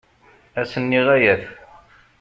Ass-nni ɣaya-t.